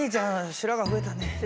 「白髪増えたね」